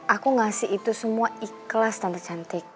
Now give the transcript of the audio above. aku ngasih itu semua ikhlas tambah cantik